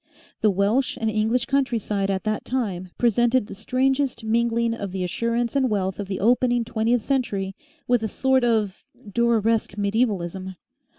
The Welsh and English countryside at that time presented the strangest mingling of the assurance and wealth of the opening twentieth century with a sort of Dureresque mediaevalism.